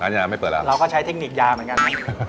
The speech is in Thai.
อันนี้ไม่เปิดแล้วเราก็ใช้เทคนิคยาเหมือนกัน